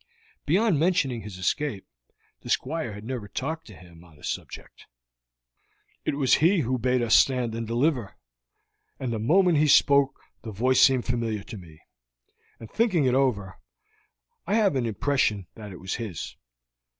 Beyond mentioning his escape, the Squire had never talked to him on the subject. "It was he who bade us stand and deliver, and the moment he spoke the voice seemed familiar to me, and, thinking it over, I have an impression that it was his.